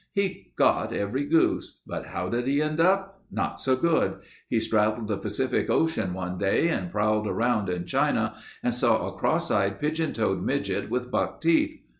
He got every goose, but how did he end up? Not so good. He straddled the Pacific ocean one day and prowled around in China, and saw a cross eyed pigeon toed midget with buck teeth.